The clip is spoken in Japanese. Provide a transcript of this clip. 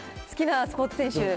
好きなスポーツ選手？